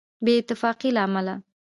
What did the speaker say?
بې اتفاقۍ له امله.